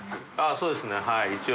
そうですねはい一応。